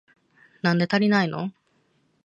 なんで足りないの？